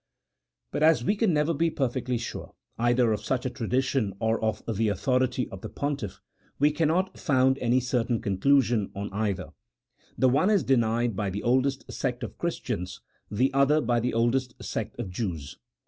But as we can never be perfectly sure, either of such a tradition or of the authority of the pontiff, we can not found any certain conclusion on either : the one is de nied by the oldest sect of Christians, the other by the oldest sect of Jews.